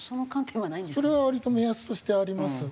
それは割と目安としてあります。